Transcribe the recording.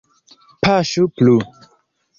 Paŝu plu!